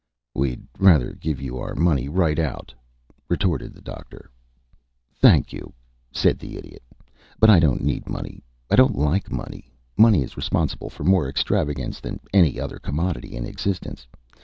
"We'd rather give you our money right out," retorted the Doctor. "Thank you," said the Idiot. "But I don't need money. I don't like money. Money is responsible for more extravagance than any other commodity in existence.